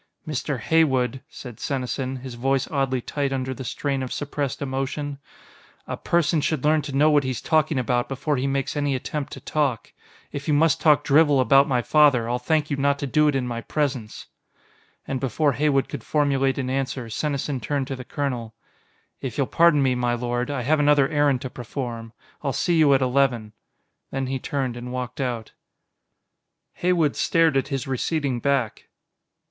"Mr. Heywood," said Senesin, his voice oddly tight under the strain of suppressed emotion, "a person should learn to know what he's talking about before he makes any attempt to talk. If you must talk drivel about my father, I'll thank you not to do it in my presence." And before Heywood could formulate an answer, Senesin turned to the colonel. "If you'll pardon me, my lord, I have another errand to perform. I'll see you at eleven." Then he turned and walked out. Heywood stared at his receding back.